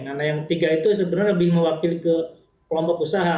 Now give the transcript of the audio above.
karena yang tiga itu sebenarnya lebih mewakili ke kelompok usaha